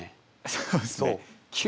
そうですね。